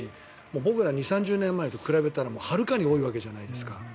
僕らは２０３０年前と比べたらはるかに多いわけですよね。